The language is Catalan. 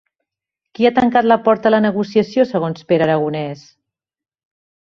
Qui ha tancat la porta a la negociació segons Pere Aragonès?